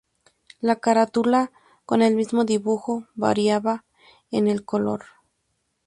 La carátula, con el mismo dibujo, variaba en el color.